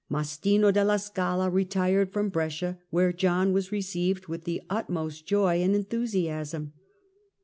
Mastino della Scala retired from Brescia, where John was received with the utmost joy and en thusiasm.